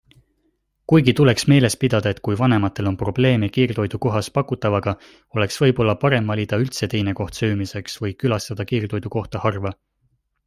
Kuigi tuleks meeles pidada, et kui vanematel on probleeme kiirtoidu kohas pakutavaga, oleks võib-olla parem valida üldse teine koht söömiseks või külastada kiirtoidukohta harva.